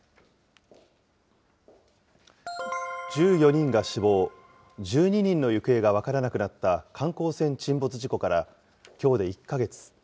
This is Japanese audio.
１４人が死亡、１２人の行方が分からなくなった観光船沈没事故からきょうで１か月。